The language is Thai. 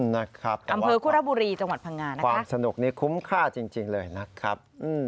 นะครับแต่ว่าความความสนุกนี้คุ้มค่าจริงเลยนะครับ